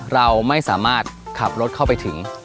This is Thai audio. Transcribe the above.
เราไม่สามารถขับรถเข้าไปถึง